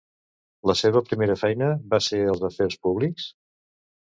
La seva primera feina va ser als afers públics?